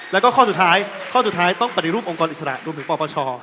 แล้วก็ข้อสุดท้ายต้องปฏิรูปองค์กรอิสระรวมถึงปปช